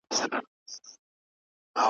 چي یاران ورباندي تللي له ضروره `